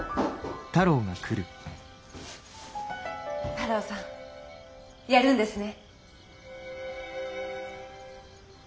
太郎さんやるんですね？